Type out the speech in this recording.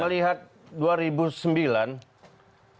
jadi kalau melihat dua ribu sembilan